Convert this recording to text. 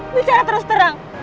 bicara terus terang